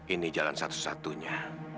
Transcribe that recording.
ini jalan satu satunya